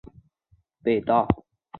该物种的模式产地在韩国庆尚北道。